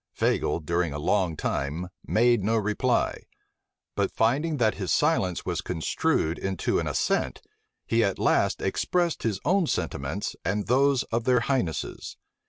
Fagel during a long time made no reply; but finding that his silence was construed into an assent, he at last expressed his own sentiments and those of their highnesses.